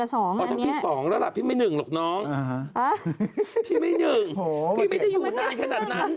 ภาค๒ใช่ไหมอ๋อต้องพี่๒แล้วล่ะพี่ไม่หนึ่งหรอกน้องพี่ไม่หนึ่งพี่ไม่ได้อยู่ข้างหน้าขนาดนั้น